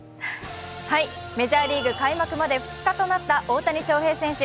メジャーリーグ開幕まで２日となった大谷翔平選手。